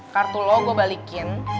kartu lo gue balikin